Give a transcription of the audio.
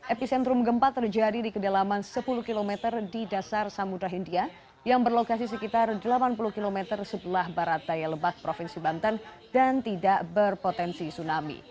epicentrum gempa terjadi di kedalaman sepuluh km di dasar samudera india yang berlokasi sekitar delapan puluh km sebelah barat daya lebak provinsi banten dan tidak berpotensi tsunami